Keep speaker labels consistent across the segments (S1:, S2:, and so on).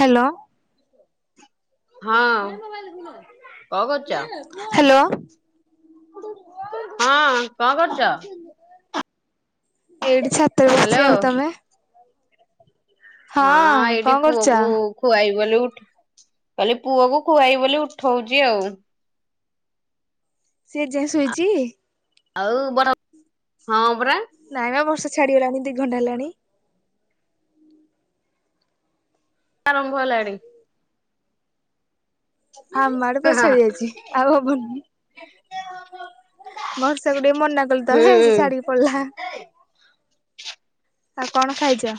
S1: Hello.
S2: ହଁ କଣ କରୁଛ?
S1: ହ୍ୟାଲୋ।
S2: ହଁ କଣ କରୁଛ?
S1: ଏଇଠି ଛାତରେ
S2: ହ୍ୟାଲୋ
S1: ବସିଛି ଆଉ ତମେ?
S2: ହଁ ଏଇଠି
S1: କଣ କରୁଛ?
S2: ପୁଅକୁ ଖୁଆଇ ବୋଲି ଉଠ କଲି ପୁଅ କ ଖୁଆଇ ବୋଲି ଉଠଉଛି ଆଉ।
S1: ସିଏ ଏଯାଏ ଶୋଇଛି।
S2: ଆଉ ବର ହଁ ପରା।
S1: ନାଇଁ ବର୍ଷା ଛାଡ଼ିଗଲାଣି ଦି ଘଣ୍ଟା ହେଲାଣି।
S2: ଆରମ୍ଭ ହେଲାଣି।
S1: ହଁ ଆମ ଆଡ଼େ ପୁରା ଛାଡି ଯାଇଛି ଆଉ ହବନି। ବର୍ଷାକୁ ଟିକେ ମନା କଲେ
S2: ହୁଁ
S1: ତମେ ସେ ଛାଡିକି ଲା ଆଉ କଣ ଖାଇଛ?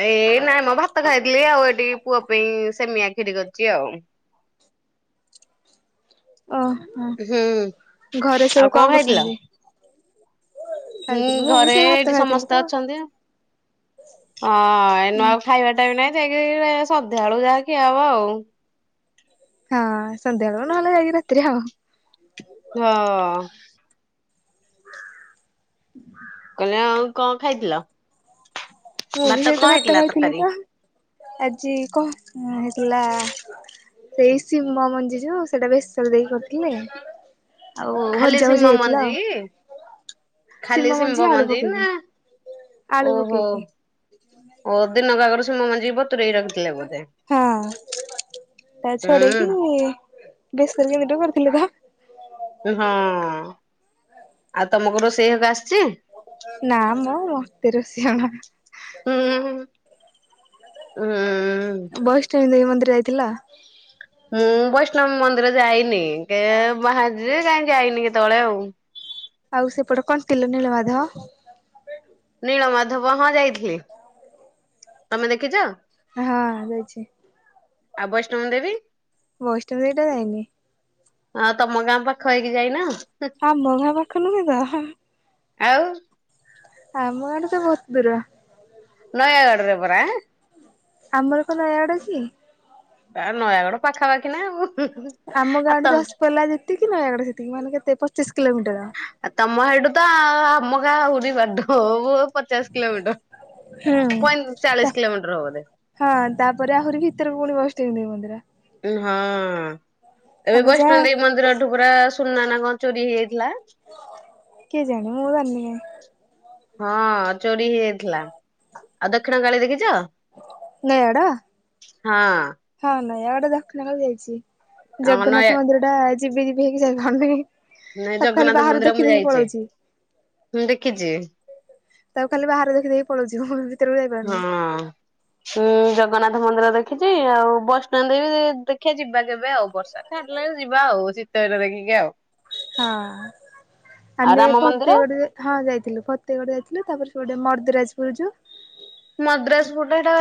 S2: ଏଇ ନାଇଁ ମଁ ଭାତ ଖାଇଥିଲି ଆଉ ଏଠି ପୁଅ ପାଇଁ ସେମିଆଖିରି କରିଛି ଆଉ।
S1: ଓହୋ
S2: ହୁଁ
S1: ଘରେ
S2: ଆଉ
S1: ସବୁ କଣ
S2: ଖାଇଥିଲ?
S1: କରୁଛନ୍ତି?
S2: ହୁଁ
S1: ଖାଇଥିଲି ମୁଁ ବି
S2: ଘରେ
S1: ସେଇ ଭାତ
S2: ଏଇଠି
S1: ଖାଇଥିଲି ତ
S2: ସମସ୍ତେ ଅଛନ୍ତି ହଁ ନୂଆ ଖାଇବାଟା ବି ନାହିଁ ଯାଇକି ସନ୍ଧ୍ୟାବେଳୁ ଯାହା ଖିଆ ହବ ଆଉ।
S1: ହଁ ସନ୍ଧ୍ୟାବେଳ ନହେଲେ ଯାଇକି ରାତିରେ ଆଉ।
S2: ହଁ। କହିଲେ ଆଉ କଣ ଖାଇଥିଲ।
S1: ମୁଁ ବି ସେଇ
S2: କଣ
S1: ତ ଭାତ
S2: ହେଇଥିଲା
S1: ଖାଇଥିଲି
S2: ତରକାରୀ?
S1: ତ ଆଜି କହ ହେଇଥିଲା ସେଇ ସିମ ମଞ୍ଜି ଯୋଉ ସେଟା ବେଶର ଦେଇକି କରିଥିଲେ। ଆଉ
S2: ଖାଲି
S1: ହଜା ହୁଜି
S2: ଶିମ
S1: ହେଇଥିଲା
S2: ମଞ୍ଜି
S1: ଆଉ।
S2: ଖାଲି
S1: ସିମ ମଞ୍ଜି
S2: ଶିମ୍ବ
S1: ଆଳୁ
S2: ନା
S1: ପକେଇକି। ଆଳୁ
S2: ଓହୋ
S1: ପକେଇକି
S2: ଓ ଦିନକ ଆଗରୁ ସିମ ମଞ୍ଜି ବତୁରେଇ ରଖ୍
S1: ହଁ ତା ଛଡ଼େଇକି
S2: ହୁଁ
S1: ଗେସ୍ କରିକି ନିଡ଼ୁ କରିଥିଲି ତ।
S2: ଉଁ ହଁ ଆଉ ତମୂକୁ ରୋଷେଇ ହକା ଆସିଚି?
S1: ନାଁ ମ ମତେ ରୋଷେଇ ଅଣ
S2: ହୁଁ ହୁଁ ଉଁ
S1: ବୈଷ୍ଣବୀ ଦେଇ ମନ୍ଦିର ଆଇଥିଲ?
S2: ମୁଁ ବୈଷ୍ଣବ ମନ୍ଦିର ଯାଇନି କେ ବାହାରଚି ଯେ କାଇଁ ଯାଇନି କେତଳେ ଆଉ।
S1: ଆଉ ସେପଟ କଣ୍ଟିଲୋ ନୀଳମାଧବ?
S2: ନୀଳମାଧବ ହଁ ଯାଇଥିଲି। ତମେ ଦେଖିଚ?
S1: ଅ ହ ଯାଇଛି।
S2: ଆଉ ବୈଷ୍ଣବ ଦେବୀ?
S1: ବୈଷ୍ଟ ଦେଇଟା ଯାଇନି।
S2: ଅ ତମ ଗାଁ ପାଖ ହେଇକି ଯାଇନ?
S1: ହଁ ମଘା ପାଖ ନୁହେଁ ତ?
S2: ଆଉ?
S1: ଆମ ଗାଁଠୁ ତ ବୋହୁତ ଦୂର।
S2: ନୟାଗଡ଼ରେ ପରା।
S1: ଆମର କୋ ନୟାଅଡ଼ ଅଛି କି?
S2: ଆ ନୟାଗଡ଼ ପାଖାପାଖି ନା ଆଉ।
S1: ଆମ
S2: ଆଉ
S1: ଗାଁଠୁ
S2: ତମ
S1: ଦଶପଲ୍ଲା ଯେତିକି ନୟାଗଡ଼ ସେତିକି ମାନେ କେତେ ପଚିଶ କିଲୋମିଟର୍।
S2: ଆ ତମ ହେଠୁ ତ ଆମ ଗାଁ ଆହୁରି ବାଟ ବୁଅ ପଚାଶ୍ କିଲମିଟ
S1: ହୁଁ
S2: ପଇଁ ଚାଳିଶ କିଲୋମିଟର୍ ହବ ବୋଧେ।
S1: ହଁ ତାପରେ ଆହୁରି ଭିତୁରୁକୁ ପୁଣି ବୈଷ୍ଣବୀ ଦେବୀ ମନ୍ଦିର।
S2: ଉନ୍ ହଁ ଏବେ
S1: ଆମେ ଯାହା
S2: ବୈଷ୍ଣଦେବୀ ମନ୍ଦିରଠୁ ପରା ସୁନା ନାଁ କଁ ଚୋରି ହେଇଯାଇଥିଲା।
S1: କେଜାଣି ମୁଁ ଜାନି କାଇଁ।
S2: ହଁ ଚୋରି ହେଇଯାଇଥିଲା। ଆଉ ଦକ୍ଷିଣ କାଳୀ ଦେଖିଚ?
S1: ନୟାଅଡ଼?
S2: ହଁ।
S1: ହଁ ନୟାଗଡ଼ ଦକ୍ଷିଣ କାଳୀ ଯାଇଚି।
S2: ନୟା
S1: ଜଗନ୍ନାଥ ମନ୍ଦିରଟା ଯିବି ଯିବି ହେଇକି ଯାଇପାରୁନେଇ।
S2: ନାଇଁ ଜଗନ୍ନାଥ ମନ୍ଦିର ମୁଁ ଯାଇଚି ହୁଁ ଦେଖିଚି।
S1: ତାକୁ ଖାଲି ବାହାରେ ଦେଖିଦେଇ ପଳଉଚି ମୁଁ। ଭିତରକୁ
S2: ହଁ।
S1: ଯାଇପାରୁନି
S2: ଉଁ ଜଗନ୍ନାଥ ମନ୍ଦିର ଦେଖିଚି ଆଉ ବୈଷ୍ଣଦେବୀ ଦେ ଦେଖିଆ ଯିବା କେବେ ଆଉ ବର୍ଷା ତା ଛାଡ଼ିଲାଉ ଯିବା ଆଉ ଶୀତ ଦିନ ଦେଖିକି ଆଉ।
S1: ହଁ
S2: ଆଉ
S1: ଆମେ
S2: ରାମ ମନ୍ଦିର
S1: ଫତେଗଡ଼ ଯେ ହଁ ଯାଇଥିଲୁ ଫତେଗଡ଼ ଯାଇଥିଲୁ ତାପରେ ସେପଟେ ମର୍ଦ୍ଦରାଜପୁର ଯୋଉ।
S2: ମଦ୍ରାସପୁଟା ହେଟା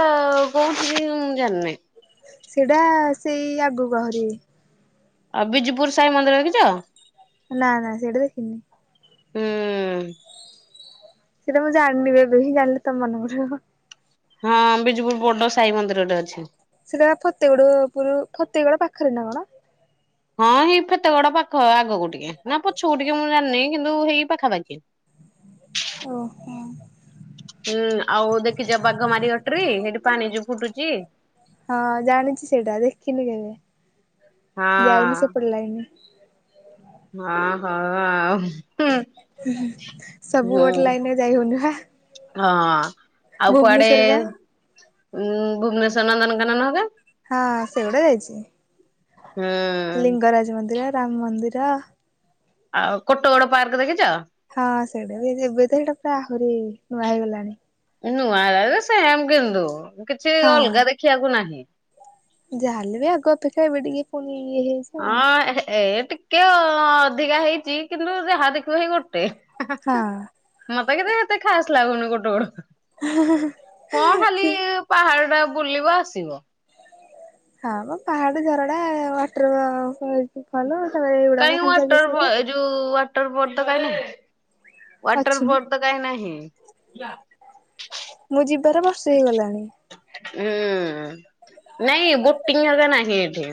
S2: କୋଉଠି କି ମୁଁ ଜାଣନେଇ।
S1: ସେଟା ସେଇ ଆଗୁକୁ ଆହୁରି।
S2: ଆଉ ବିଜୁପୁର ସାଇ ମନ୍ଦିର ଦେଖିଚ?
S1: ଏ ନାଁ ନାଁ ସେଇଟା ଦେଖିନି।
S2: ହୁଁ। ହୁଁ।
S1: ସେଟା ମୁଁ ଜାଣିନି ବେ ଏବେ ହିଁ ଜାଣିଲି ତମମାନଙ୍କ ଠାରୁ।
S2: ହଁ ବିଜୁପୁର ବଡ଼ ସାଇ ମନ୍ଦିରଟେ ଅଛି।
S1: ସେଟା ଫତେଗଡ ପୁରରୁ ଫତେଗଡ ପାଖରେ ନା କଣ?
S2: ହଁ ସେଇ ଫେତେଗଡ ପାଖ ଆଗକୁ ଟିକେ ନା ପଛକୁ ଟିକେ ମୁଁ ଜାିନି କିନ୍ତୁ ହେଇ ପାଖାପାଖି।
S1: ଓ ହୋ।
S2: ହୁଁ ଆଉ ଦେଖିଛ ବାଘ ମାରି ଘଟି ସେଠି ପାଣି ଯୋଉ ଫୁଟୁଛି।
S1: ହଁ ଜାଣିଛି ସେଇଟା ଦେଖିନି କେବେ
S2: ହଁ
S1: ଯାଇନି ସେପଟ ଲାଇନି।
S2: ହଁ ହଁ ଆଉ।
S1: ସବୁ
S2: ହୁଁ
S1: ଗୋଟେ ଲାଇନରେ ଯାଇ ହଉନି ପା।
S2: ହଁ ଆଉ କୁଆଡେ ଭୁବନେଶ୍ଵର ନନ୍ଦନକାନନରେ
S1: ହଁ ସେଗୁଡା ଯାଇଛି
S2: ହୁଁ।
S1: ଲିଙ୍ଗରାଜ ମନ୍ଦିର, ରାମ ମନ୍ଦିର
S2: ଆଉ କୋଟ ଗୋଡ ପାର୍କ ଦେଖିଛ?
S1: ହଁ ସେଇଟା ବି ଏବେ ତ ସେଇଟା ପୁରା ଆହୁରି ନୂଆ ହେଇଗଲାଣି।
S2: ନୂଆ ସେମ କିନ୍ତୁ କିଛି ଅଲଗା ଦେଖିବାକୁ ନାହିଁ।
S1: ଯାହାେଲେ ବି ଆଗ ଅପେକ୍ଷା ଏବେ ଟିକେ ପୁଣି ଇଏ ହେଇଛି। ଆଉ
S2: ହଁ ଏ ଟିକେ ଅଧିକା ହେଇଛି କିନ୍ତୁ ଯାହା ଦେଖିବ ହଇ ଗୋଟେ।
S1: କଣ
S2: ମତେ କେତେ କେତେ ଖାସ ଲାଗୁନ କୋଟେ
S1: ହଁ।
S2: ହଁ ଖାଲି ପାହାଡ ଟା ବୁଲିବ ଆସିବ।
S1: ହଁ ମୋ ପାହାଡ ଝରଡା ୱାଟର ଖଲୁ ତାମ ଏଇଗୁଡାକ ଖାଲି ସହିତ।
S2: ଉ ୱାଟର ବୋର୍ଡ ତ କାହିଁ ନାହିଁ ୱାଟର
S1: ଅଛି।
S2: ବୋର୍ଡ। ତ କାଇଁ ନାହିଁ।
S1: ମୁଁ ଯିବାର ବର୍ଷେ ହେଇଗଲାଣି।
S2: ହୁଁ ନାଇଁ ବୋଟିଂଗ ନାହିଁ ଏଠି।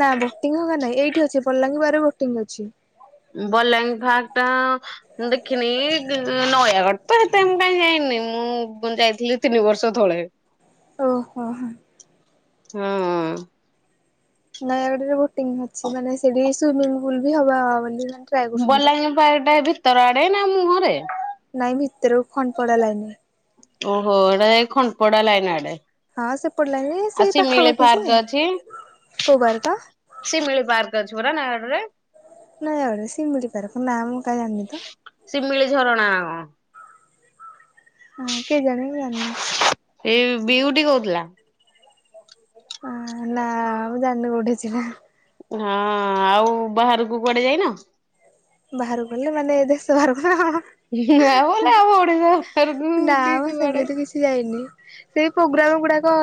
S1: ନା ବୋଟିଂ ହଁ ନାଇଁ ଏଇଠି ଅଛି ବଲାଙ୍ଗୀ ବରେ ବୋଟିଂ ଅଛି।
S2: ବଲାଙ୍ଗୀ ଭାଗ ଟା ମୁଁ ଦେଖିନି ନୟାଗଡ ତ ଏତେ କାଇହିଁ ଯାଇନି ମୁଁ ଯାଇଥିଲି ତିନି ବର୍ଷ ତଳେ ହ
S1: ଓହୋ ହୋ।
S2: ହୁଁ।
S1: ନୟାଗଡରେ ବୋଟିଂ ଅଛି ମାନେ ସେଠି ସୁଇମିଙ୍ଗ ପୁଲ ବି ହବ ବୋଲି ଟ୍ରାଏ କରୁଛନ୍ତି ତ।
S2: ବଲାଙ୍ଗୀ ପାଖ ଟା ଭିତର ଆଡେ ନା ମୁହଁରେ।
S1: ନାଇଁ ଭିତରକୁ ଖଣ୍ଡେ ପଡା ଲାଗନି।
S2: ଓହୋ ଏଇଟା ଖଣ୍ଡପଡ଼ାଲା ଲାଇନା ଆଡେ।
S1: ହଁ ସେ ପଡିଲଣିି
S2: ଆଉ
S1: ସେ
S2: ଶିମିଳି
S1: ପାଖାପାଖି
S2: ପାର୍କ
S1: ସେ
S2: ଅଛି।
S1: କୋଉ ବାରକା?
S2: ଶିମିଳି ପାକ ଅଛି ପା ନା ଆଡରେ।
S1: ନୟାଗଡ଼ ଆ ସିମିଳି ପକୁ ନା ମୁଁ କାଇଁ ଜାଣିନି ତ
S2: ଶିମିଳି ଝରଣା।
S1: ହଁ କେଜାଣି ମୁଁ ଜାଣିନି।
S2: ଏଇ ବିୟୁଟି କହୁଥିଲା।
S1: ହଁ ନା ମୁଁ ଜାଣିନ କୋଉଠି ଅଛି?
S2: ହଁ ଆଉ ବାହାରକୁ କୁଆଡେ ଯାଇନ?
S1: ବାହାରକୁ ଗଲେ ମାନେ ଏ ଦେଶ ବାହାର
S2: ହଁ ଆବଲେ ଆଡେ
S1: ନା
S2: କି
S1: ମ
S2: କୁଆଡେ?
S1: ସେମିତି କିଛି ଯାଇନି ସେଇ ପ୍ରୋଗ୍ରାମ ଗୁଡାକ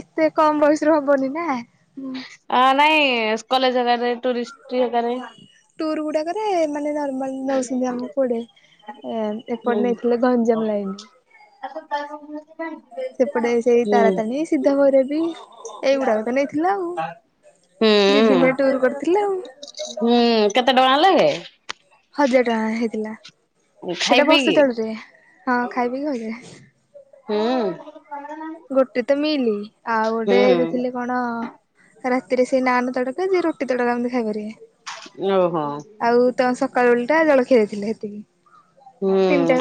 S1: ଏତେ କମ ବୟସରେ ହବନି ନାଁ।
S2: ଆ ନାଇଁ କଲେଜ ହେଗାରେ ଟରିଷ୍ଟ ହେଗାରେ
S1: ଟୁର୍ ଗୁଡାକରେ ମାନେ ନର୍ମାଲ ନଉଛନ୍ତି ଆମ କୋଡେ
S2: ହୁଁ
S1: ଏପଟେ ନେଇଥିଲେ ଗଞ୍ଜାମ ଲାଇନ।
S2: [inaudible]
S1: ସେପଟେ ସେଇ
S2: ହୁଁ।
S1: ତାରାତାଣୀ ସିଧା ଭୈର ବି ଏଇଗୁଡାକ ତ ନେଇଥିଲା ଆଉ।
S2: ହୁଁ
S1: ଦି ଦିନିଆ ଟୁୁର କରିଥିଲେ ଆଉ।
S2: ହୁଁ କେତେ ଟଙ୍କା ଲାଗେ?
S1: ହଜାର ଟଙ୍କା ହେଇଥିଲା
S2: ଖାଇ
S1: ଥିଲା ବର୍ଷ
S2: ପିଇକି?
S1: ତଳରେ ହଁ ଖାଇବକି ହଜ
S2: ହୁଁ।
S1: ଗୋଟେ ତ ମିଲି ଆଉ ଗୋଟେ ଥିଲେ
S2: ହୁଁ
S1: କଣ ରାତିରେ ସେଇ ନାନ ତଡକା ଯେ ରୁଟି ତଡକା ଏମିତି ଖାଇପାରିବେ।
S2: ଓହୋ।
S1: ଆଉ ତ ସକାଳୁ ବେଳଟା ଜଳଖିଆ ଦେଇଥିଲେ ସେତିକି।
S2: ହୁଁ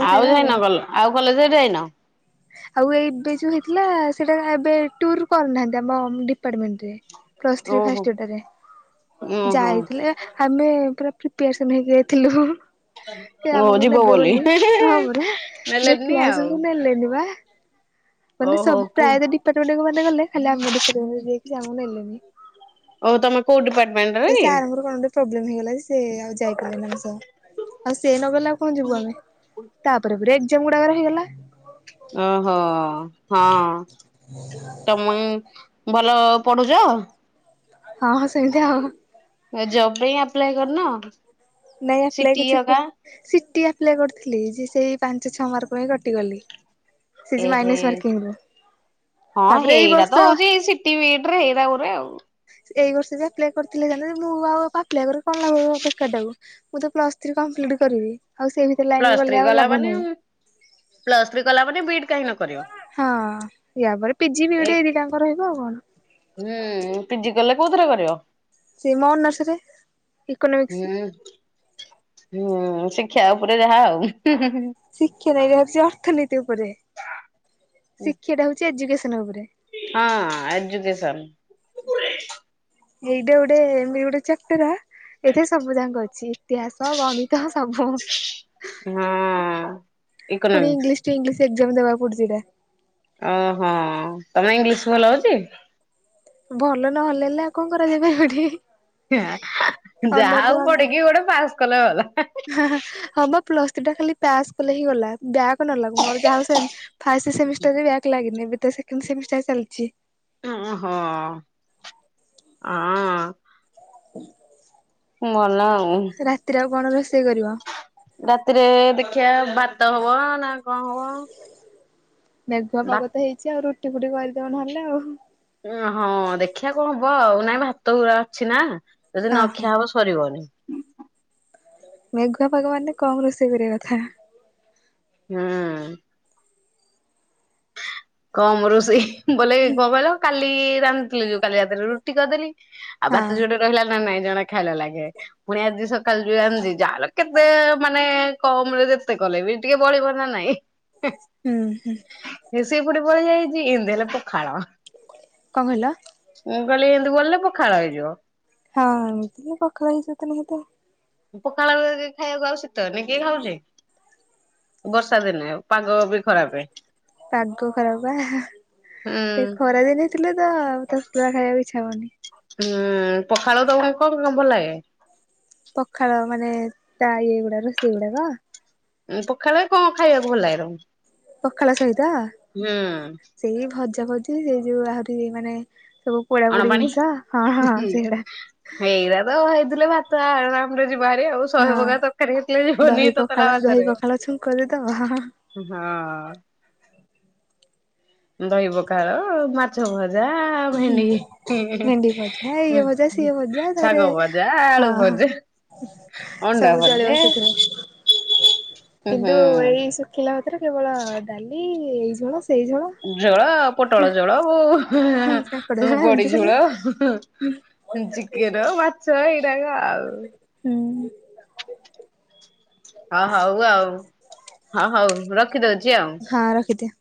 S2: ଆଉ ଯାଇନ କ ଆଉ କଲେକ ଯାଇନ?
S1: ଆଉ ଏବେ ଯୋଉ ହେ ସେଟା ଏବେ ଟୁର କରୁନାହାନ୍ତି ଆମ ଡିପାର୍ଟମେଣ୍ଟରେ। ପ୍ଲସ୍ ଥ୍ରୀ ଫାଷ୍ଟ
S2: ଓହୋ।
S1: ଟିଆର ଟା ରେ
S2: ଓହୋ
S1: ଯାଇଥିଲେ। ଆମେ ପୁରା ପ୍ରିପାରେସନ୍ ହେଇକି ଯାଇଥିଲୁ। ସେ
S2: ଓ
S1: ଆମକୁ
S2: ଯିବ
S1: ନେବେ ବୋଲି ହଁ ବରା
S2: ନେଲେନି
S1: ଦେଖିଲା
S2: ଆଉ।
S1: ସବୁ ନେଲେନି ବା। ମାନେ
S2: ଓହୋ
S1: ସବ
S2: କୁ
S1: ପ୍ରାୟତ ଡିପାର୍ଟମେଣ୍ଟ କ ମାନେ ଗଲେ ଖାଲି ଆମ ଡିପାର୍ଟମଣ୍ଟରେ ଯାଉ [unintelligible] ନେଲେନି
S2: ଓଉ ତମେ କୋଉ ଡିପାର୍ମେଣ୍ଟ?
S1: ସେଇ ସାର୍ କଣ ଗୋଟେ ପ୍ରୋବ୍ଲେମ ହେଇଗଲା ଯେ ସେ ଆଉ ଯାଇପାଇଲେନି ଆମ ସହ ଆଉ ସେ ନଗଲେ ଆଉ କଣ ଯିବୁ ଆମେ ତାପରେ ପୁର ସେ ଗୁଡାକରେ ହେଇଗଲା।
S2: ଓହୋ ହଁ, ତ ମ ଭଲ ପଢୁଚ?
S1: ହଁଁ ସେମିତି ଆଉ।
S2: ଜବ୍ ପାଇଁ ଆପ୍ଲାଏ କରିନ?
S1: ନାଇଁ ଆପ୍
S2: ସିଟି
S1: କିଛି
S2: ହକା?
S1: ସିଟି ଆପ୍ଲାଏ କରୁଥିଲି ଯେ ସେଇ ପାଞ୍ଚ ଛଅ ମାର୍କ ପାଇଁ କଟିଗଲି। ସେ
S2: ଏହେ
S1: ମାଇନସ ମର୍କିଙ୍ଗି ରୁ ତାପରେ ଏଇ ବର୍ଷ
S2: ଇଟ ରେ ହେଇରାଉରେ ଆଉ
S1: ଏଇ ବର୍ଷ ବି ଆପ୍ଲାଏ କରିଥିଲେ ଜ ମୁଁ ଆଉ ଆପ୍ଲାଏ [unintelligible] କଣ ଲାଗ ବେକାର ଟାକୁ ମୁଁ ତ ପ୍ଲସ ଥ୍ରୀ କମ୍ପ୍ଲିଟ କରିବି ଆଉ ସେ ଭିତରେ ଲାଇନ ଗଲେ ଆଉ ଲାଭ ନାହିଁ।
S2: ପ୍ଲସ ଥ୍ରୀ କଲା ମାନେ ବିଟ୍ କାହିଁ ନ କରିବୁ।
S1: ହଁ ୟା ପରେ ପି ଜି, ବି ଡି ଏହି ଦିଇ ଟାଙ୍କ ରହିବ ଆଉ କଣ?
S2: ହୁଁ ପି ଜି କଲେ କୋଉ ଥରେ କରିବ?
S1: ସେ ମୋ ଅନର୍ସ ରେ ଇକୋନୋମିକ୍ସ।
S2: ହୁଁ ହୁଁ ଶିକ୍ଷା ଉପରେ ଯାହା ଆଉ।
S1: ଶିକ୍ଷାଟ ଏଇଟା ହୋଉଚି ଅର୍ଥନୀତି ଉପରେ ଶିକ୍ଷାଟା ହୋଉଚି ଏଜୁକସନରେ।
S2: ହଁ ଏଜୁକସନ।
S1: ଏଇଟା ଗୋଟେ [unintelligible] ଏଥିରେ ସବୁ ଯାକ ଅଛି ଇତିହାସ ଗଣିତ ସବୁ।
S2: ହଁ।
S1: ପୁଣି
S2: economics
S1: English two English exam ଦେବା ପଡୁଥିଲା
S2: ଓହୋ ତମେ ଇଂଲିଶ ଭଲ ହୋଉଚି?
S1: ଭଲ ନହେଲେ ହେଲେ ଆଉ କଣ କରାଯାଇ [unintelligible]
S2: ଯାହା
S1: ଅନର୍ସ
S2: ହୋଉ ପଡିକି ଗୋଟେ ପାସ୍ କଲେ ଗଲା।
S1: ହଁ ହଁ ହମ ପ୍ଲସ ଥ୍ରି ଟା ଖାଲି ପାସ୍ କଲେ ହେଇ ଗଲା, ଵ୍ୟାକ୍ ନ ଲାଗୁ ମୋର ଯାହା ହୋଊ ସେମ୍ ଫାଷ୍ଟ ସେମିଷ୍ଟାରରେ ବ୍ୟାକ ଲାଗିନି, ଏବେ ତ ସେକେଣ୍ଡ ସେମିଷ୍ଟାର ଚାଲିଚି।
S2: ଓ ହଁ ହ
S1: ହୁ।
S2: ମଲାଉ
S1: ରାତିରେ ଆଉ କଣ ରୋଷେଇ କରିବ?
S2: ରାତିରେ ଦେଖିବା ଭାତ ହବ ନା କଣ ହବ?
S1: ମେଘୁଆ
S2: ଭାତ
S1: ପାଗ ତ ହେଇଚି ଆଉ ରୁଟି ଫୁଟି କରିଦେବ ନହେଲେ ଆଉ।
S2: ଉ ହଁ ଦେଖିବା କଣ ହବ ଆଉ ନାଇଁ ଭାତ ଗୁୁରା ଅଛି ନା ଯଦି
S1: ହଁ ହଁ
S2: ନଖିଆ ହବ ସରିବନି।
S1: ମେଘୁଆ ପାଗ ମାନେ କମ ରୋଷେଇ କରିବା କଥା।
S2: ହୁଁ। କମ ରୋଷେଇ। ବୋଲେ କଣ କହିଲ କାଲି ରାନ୍ଧିଥିଲି ଯୋଉ କାଲି ରାତିରେ ରୁଟି କରିଦେଲି। ଆଉ
S1: ହଁ
S2: ଭାତ ଯୋଡେ ରହିଲା ନା ନାଇଁ ଜଣେ ଖାଇଲା ଲାଗେ ପୁଣି ଆଜି ସ କାଲି ଯୋଉ [unintelligible] ଯାହେଲେ କେତେ ମାନେ କମ ରେ ଯେତେ କଲେ ବି ଟିକେ ବଳିବ ନା ନାଇଁ।
S1: ଉଁ ହୁଁ।
S2: ସେ ପଟେ ବଳିଯାଇଚି ଇନ୍ତୀ ହେଲେ ପଖାଳ
S1: କଣ କହିଲ?
S2: ମୁଁ କହିଲି ଏମିତି ବଳିଲେ ପଖାଳ ହେଇଯିବ।
S1: ହଁପଖାଳ ହେଇଯିବ। [unintelligible]
S2: ପଖାଳ ଖାଇବାକୁ ଆଉ ଶୀତ ଦିନେ କିଏ ଖାଉଚି। ବର୍ଷା ଦିନେ ପାଗ ବି ଖରାପ।
S1: ପାଗ ଖରାପ ପା।
S2: ହୁଁ
S1: ଏ ଖରାଦିନ ଥିଲେ ତ ତତଲା ଖାଇବାକୁ ଇଚ୍ଛା ହବନି।
S2: ହୁଁ ପଖାଳ ତମକୁ କଣ କଣ ଭଲ ଲାଗେ?
S1: ପଖାଳ ମାନେ ତା ଇଏ ଗୁଡା ରୋଷେଇ ଗୁଡାକ?
S2: ପଖାଳରେ କଣ ଖାଇବାକୁ ଭଲ ଲାଗେ ତମକୁ?
S1: ପଖାଳ ସହିତ
S2: ହୁଁ
S1: ସେଇ ଭଜା ଭଜି, ସେଇ ଯୋଉ ଆହୁରି ମାନେ ସବୁ ପୋଡ଼ା
S2: ଅଣ
S1: ପୋଡ଼ି
S2: ପାଣି
S1: ଜିନିଷ। ହଁ ହଁ ସେଇଡ଼ା।
S2: ଏତକ ହେଇଥିଲେ ଭାତ ଆରାମରେ ଯିବ ଭାରି ଆଉ। ଶହେ
S1: ହଁ
S2: ପ୍ରକାର ତରକାରି ହେଇଥିଲେ ବି ଯିବନି
S1: ଦହି ପଖାଳ
S2: ତତଲା ଭାତ
S1: ଦହି
S2: ରେ।
S1: ପଖାଳ ଛୁଙ୍କ ଦେଇଦବ ହଁ
S2: ହଁ। ଦହି ପଖାଳ ଆଉ ମା ମାଛ ଭଜା ଭେଣ୍ଡି
S1: ଭେଣ୍ଡି ଭଜା ଇଏ ଭଜା ସିଏ ଭଜା ତାପରେ
S2: ଶାଗ, ଭଜା,
S1: ହଁ
S2: ଆଳୁ
S1: ହଁ
S2: ଭଜା, ଅଣ୍ଡା
S1: ସବୁ ଚଳିବ
S2: ଭଜା।
S1: ସେଥିରେ
S2: ଉଁ
S1: କିନ୍ତୁ ଏଇ ଶୁଖିଲା ଭାତରେ କେବଳ ଡାଲି ଏଇ ଝୋଳ ସେଇ ଝୋଳ।
S2: ଝୋଳ ପୋଟଳ ଝୋଳ ଓ ହୁଁ ହୁଁ
S1: କାଙ୍କଡ
S2: ହୁଁ
S1: ଝୋଳ
S2: ବଡି
S1: ଏମିତି ସରିଲା
S2: ଝୋଳ ହୁଁ। ଚିକେନ, ମାଛ ଏଇରାକ ଆଉ।
S1: ହୁଁ।
S2: ହ ହଉ ଆଉ ହଁ ହଉ ରଖିଦଉଛି ଆଉ।
S1: ହଁ ରଖିଦିଅ।